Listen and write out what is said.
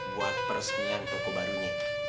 buat peresmian toko barunya